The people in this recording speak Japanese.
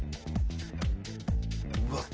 うわっ！